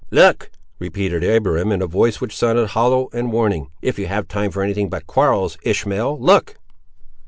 "Look!" repeated Abiram, in a voice which sounded hollow and warning; "if you have time for any thing but quarrels, Ishmael, look!"